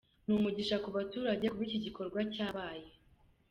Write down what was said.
Ni umugisha ku baturage kuba iki gikorwa cyabaye.